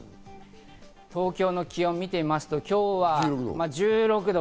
東京の気温を見てみると、今日が１６度。